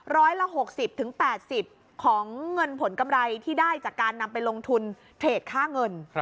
ร้อยละ๖๐๘๐ของเงินผลกำไรที่ได้จากการนำไปลงทุนเทรดค่าเงิน